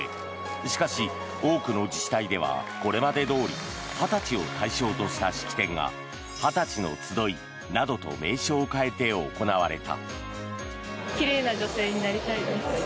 しかし、多くの自治体ではこれまでどおり２０歳を対象とした式典が２０歳の集いなどと名称を変えて行われた。